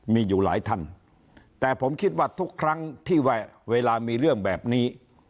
มีอยู่หลายท่านแต่ผมคิดว่าทุกครั้งที่เวลามีเรื่องแบบนี้